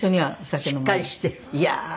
しっかりしてる。